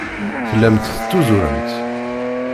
Tellamt tettuzuremt.